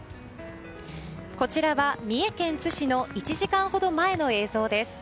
こちらは三重県津市の１時間ほど前の映像です。